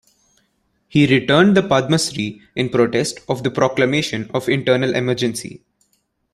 He returned the Padma Sri in protest of the proclamation of Internal Emergency.